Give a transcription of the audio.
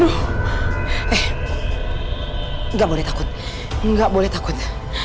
aduh eh gak boleh takut gak boleh takut